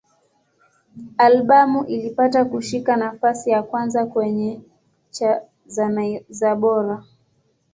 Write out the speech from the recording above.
Albamu ilipata kushika nafasi ya kwanza kwenye cha za Bora.